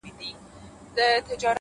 چي کاته چي په کتو کي را ايسار دي _